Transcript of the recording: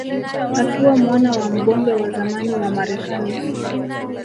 Akiwa mwana wa mbunge wa zamani wa Marekani